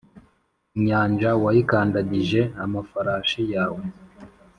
inyanja wayikandagije amafarashi yawe